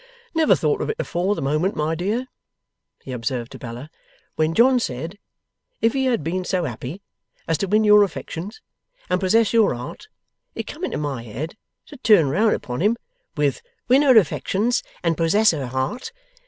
'Never thought of it afore the moment, my dear!' he observed to Bella. 'When John said, if he had been so happy as to win your affections and possess your heart, it come into my head to turn round upon him with "Win her affections and possess her heart!